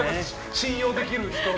信用できる人の。